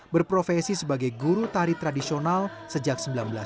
berprofesi sebagai guru tari tradisional sejak seribu sembilan ratus sembilan puluh